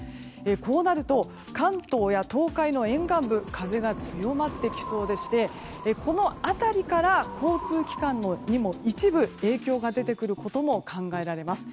こうなると関東や東海の沿岸部は風が強まってきそうでしてこの辺りから交通機関にも一部、影響が出てくることも考えられます。